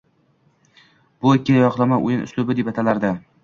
Bu ikkiyoqlama o`yin uslubi deb atalardi